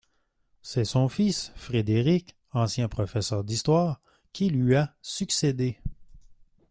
C’est son fils Frédéric ancien professeur d’histoire, qui lui a succédé.